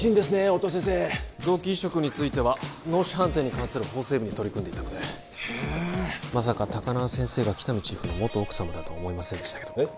音羽先生臓器移植については脳死判定に関する法整備に取り組んでいたのでへえっまさか高輪先生が喜多見チーフの元奥様だとは思いませんでしたけどえっ？